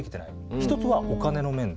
一つはお金の面で。